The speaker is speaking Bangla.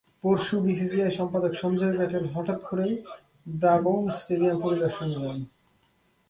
পরশু বিসিসিআই সম্পাদক সঞ্জয় প্যাটেল হঠাৎ করেই ব্রাবোর্ন স্টেডিয়াম পরিদর্শনে যান।